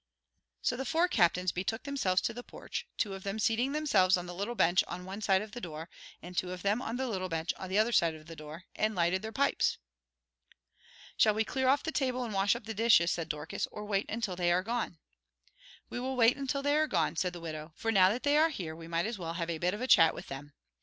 So the four captains betook themselves to the porch, two of them seating themselves on the little bench on one side of the door, and two of them on the little bench on the other side of the door, and lighted their pipes. "Shall we clear off the table and wash up the dishes," said Dorcas, "or wait until they are gone?" "We will wait until they are gone," said the widow, "for now that they are here we might as well have a bit of a chat with them.